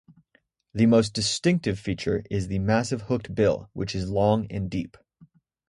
The most distinctive feature is the massive hooked bill, which is long and deep.